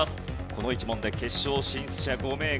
この１問で決勝進出者５名が決定。